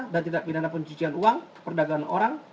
dan tindak pidana pencucian uang perdagangan orang